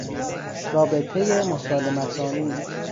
رابطهی مسالمتآمیز